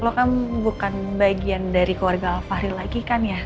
lu kan bukan bagian dari keluarga al fahri lagi kan ya